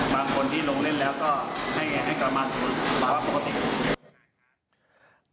บางคนที่ลงเล่นแล้วก็ให้กลับมาสมุดประวัติภาพปกติ